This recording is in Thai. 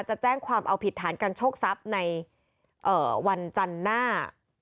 จะแจ้งความเอาผิดฐานการโชคทรัพย์ในวันจันทร์หน้า